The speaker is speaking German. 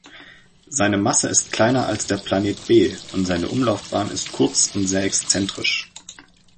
Seine Masse ist kleiner als der Planet b und seine Umlaufbahn ist kurz und sehr exzentrisch.